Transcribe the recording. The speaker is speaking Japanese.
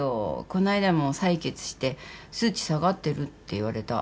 この間も採血して数値下がってるって言われた。